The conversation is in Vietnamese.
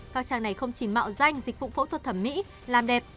các trang này không chỉ mạo danh dịch vụ phẫu thuật thẩm mỹ làm đẹp